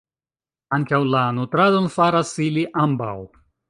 Ankaŭ la nutradon faras ili ambaŭ.